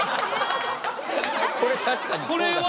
これ確かにそうだね。